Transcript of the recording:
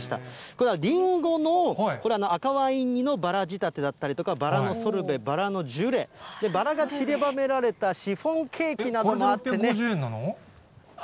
これはリンゴの赤ワイン煮のバラ仕立てだったり、バラのソルベ、バラのジュレ、バラが散りばめられたシフォンケーキなどもあってね。